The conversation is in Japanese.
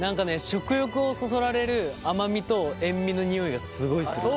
食欲をそそられる甘みと塩味の匂いがすごいする。